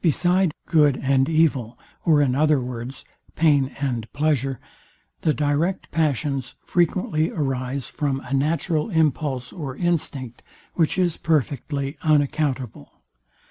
Beside good and evil, or in other words, pain and pleasure, the direct passions frequently arise from a natural impulse or instinct, which is perfectly unaccountable.